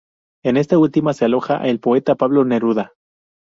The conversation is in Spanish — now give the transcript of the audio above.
En esta última se alojaba el poeta Pablo Neruda.